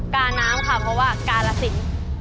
กาน้ำค่ะเพราะว่ากาลสิน